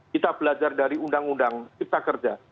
kita belajar dari undang undang cipta kerja